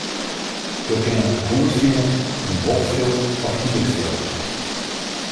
Jo kinne in hoed fine yn wolfilt of hierfilt.